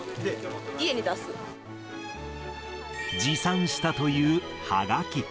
家に出す。持参したというはがき。